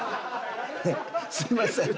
すみません。